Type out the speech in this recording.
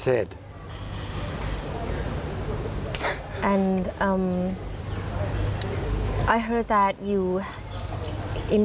คิดว่าเกิดอะไรขึ้น